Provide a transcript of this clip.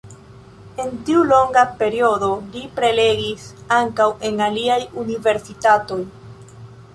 En tiu longa periodo li prelegis ankaŭ en aliaj universitatoj.